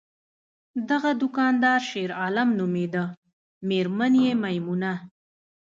دغه دوکاندار شیرعالم نومیده، میرمن یې میمونه!